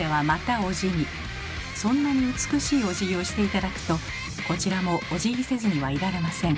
そんなに美しいおじぎをして頂くとこちらもおじぎせずにはいられません。